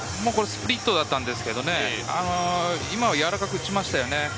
スプリットだったんですけれど、やわらかく打ちました。